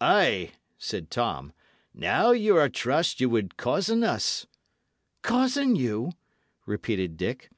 "Ay," said Tom, "now y' are trussed ye would cozen us." "Cozen you!" repeated Dick.